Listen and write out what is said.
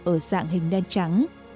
ở dạng hình đen trắng